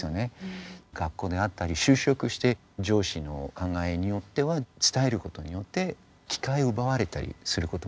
学校であったり就職して上司の考えによっては伝えることによって機会を奪われたりすることも。